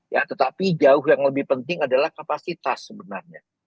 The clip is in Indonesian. ya tetapi jauh yang lebih penting adalah kapasitas sebenarnya